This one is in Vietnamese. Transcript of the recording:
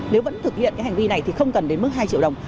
nếu vẫn thực hiện cái hành vi này thì không cần đến mức hai triệu đồng